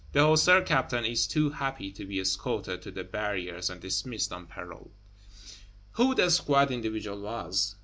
The Hussar Captain is too happy to be escorted to the barriers and dismissed on parole. Who the squat individual was?